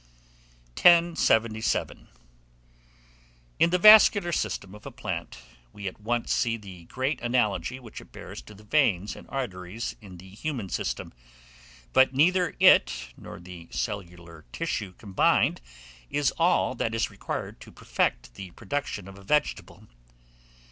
1077. In the vascular system of a plant, we at once see the great analogy which it bears to the veins and arteries in the human system; but neither it, nor the cellular tissue combined, is all that is required to perfect the production of a vegetable.